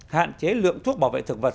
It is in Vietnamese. hạn chế lượng thuốc bảo vệ thực vật